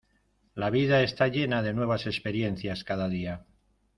La vida está llena de nuevas experiencias cada día.